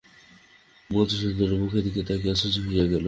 মধুসূদন ওর মুখের দিকে তাকিয়ে আশ্চর্য হয়ে গেল।